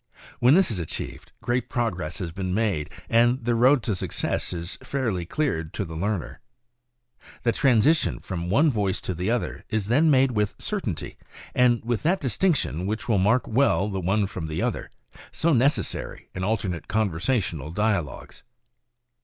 When this is achieved great progress has been made, and the road to success is fairly cleared to the learner. The transition from one voice to the other is then made with certainty, and with that distinction which will mark well the one from the other — so necessary in alternate conversational dialogues.